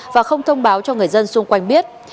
và không thông báo cho người dân xung quanh biết